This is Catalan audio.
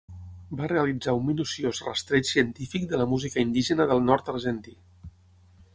Va realitzar un minuciós rastreig científic de la música indígena del nord argentí.